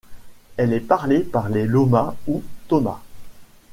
Elle est parlée par les Loma ou Toma.